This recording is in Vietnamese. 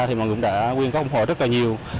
thì mọi người cũng đã quyên có ủng hộ rất là nhiều